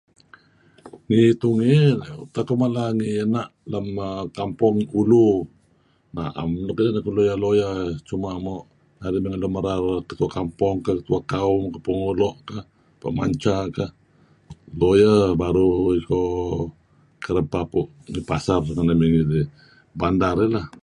Ngi tungey, utak uih mala ngi na' kampung ulu na'em nuk kuh lawyer-lawyer, cuma narih mey ngan Ketua Kampong, Ketua Kaum , Pengulo' keh, Pemanca keh' Lawyer baru iko kereb papu ngi pasar renga' koh mey bandar eh lah.